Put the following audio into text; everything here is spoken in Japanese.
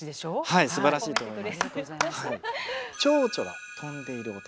はいすばらしいと思います。